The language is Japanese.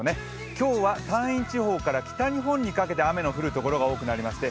今日は山陰地方から北日本にかけて雨が降るところが多くなりまして